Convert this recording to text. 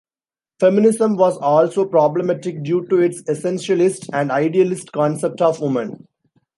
Feminism was also problematic due to its essentialist and idealist concept of woman.